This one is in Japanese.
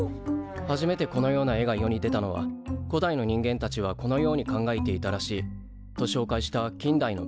初めてこのような絵が世に出たのは「古代の人間たちはこのように考えていたらしい」と紹介した近代の文献で。